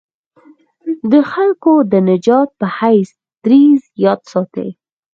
د خلکو د نجات په حیث دریځ یاد ساتي.